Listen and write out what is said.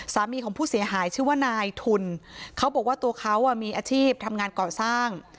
สามีของผู้เสียหายชื่อว่านายทุนเขาบอกว่าตัวเขามีอาชีพทำงานก่อสร้าง